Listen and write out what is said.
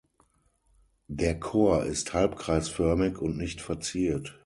Der Chor ist halbkreisförmig und nicht verziert.